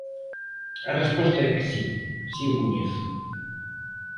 A resposta é que si, si o coñezo.